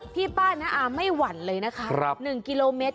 พี่ป้าน้าอาไม่หวั่นเลยนะคะ๑กิโลเมตร